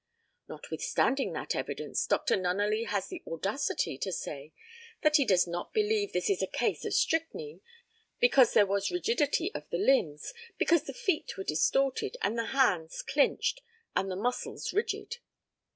Notwithstanding that evidence, Dr. Nunneley has the audacity to say that he does not believe this is a case of strychnine, because there was rigidity of the limbs, because the feet were distorted, and the hands clinched, and the muscles rigid.